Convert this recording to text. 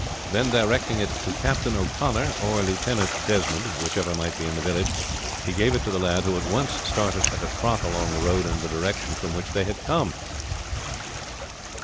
Then directing it to Captain O'Connor or Lieutenant Desmond, whichever might be in the village, he gave it to the lad, who at once started at a trot along the road in the direction from which they had come.